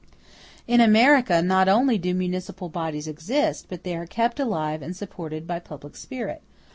In America, not only do municipal bodies exist, but they are kept alive and supported by public spirit.